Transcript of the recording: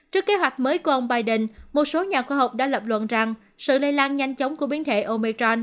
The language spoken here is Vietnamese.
trước kế hoạch mới của ông biden một số nhà khoa học đã lập luận rằng sự lây lan nhanh chóng của biến thể omechron